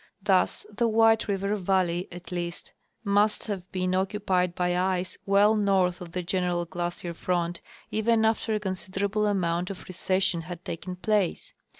Thus the White River valley, at least, must have been occupied by ice well north of the general glacier front even after a considerable amount of recession had taken place.